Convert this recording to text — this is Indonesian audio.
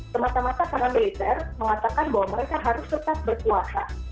semata mata para militer mengatakan bahwa mereka harus tetap berkuasa